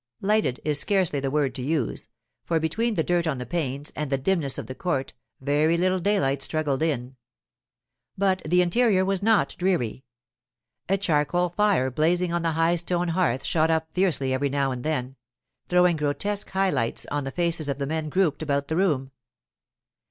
'Lighted' is scarcely the word to use, for between the dirt on the panes and the dimness of the court, very little daylight struggled in. But the interior was not dreary. A charcoal fire blazing on the high stone hearth shot up fiercely every now and then, throwing grotesque high lights on the faces of the men grouped about the room.